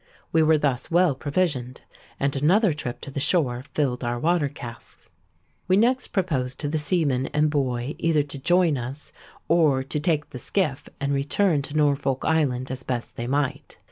We were thus well provisioned; and another trip to the shore filled our water casks. We next proposed to the seaman and boy either to join us, or to take the skiff and return to Norfolk Island as best they might.